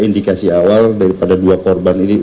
indikasi awal daripada dua korban ini